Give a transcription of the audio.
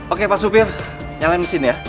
oke pak supir nyalain mesin ya